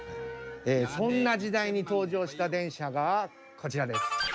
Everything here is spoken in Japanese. そんな時代に登場した電車がこちらです。